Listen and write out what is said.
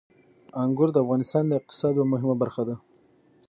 انګور د افغانستان د اقتصاد یوه مهمه برخه ده.